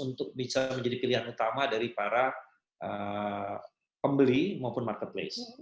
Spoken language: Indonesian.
untuk bisa menjadi pilihan utama dari para pembeli maupun marketplace